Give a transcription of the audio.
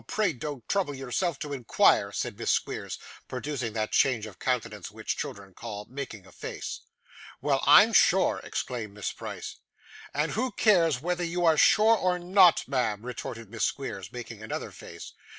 Pray don't trouble yourself to inquire,' said Miss Squeers, producing that change of countenance which children call making a face. 'Well, I'm sure!' exclaimed Miss Price. 'And who cares whether you are sure or not, ma'am?' retorted Miss Squeers, making another face.